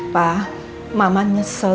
pak mama nyesel